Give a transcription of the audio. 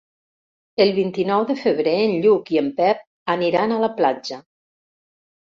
El vint-i-nou de febrer en Lluc i en Pep aniran a la platja.